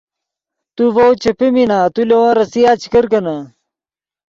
تو ڤؤ چے پیمینا تو لے ون ریسیا چے کرکینے